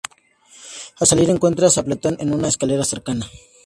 Al salir, encuentra Stapleton en una escalera cercana.